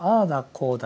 こうだ